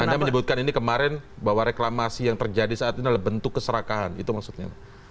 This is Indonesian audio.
anda menyebutkan ini kemarin bahwa reklamasi yang terjadi saat ini adalah bentuk keserakahan itu maksudnya